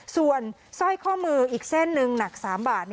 ส่วนสร้อยข้อมืออีกเส้นหนึ่งหนัก๓บาท